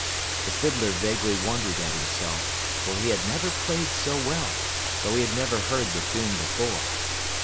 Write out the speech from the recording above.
The fiddler vaguely wondered at himself, for he had never played so well, though he had never heard the tune before.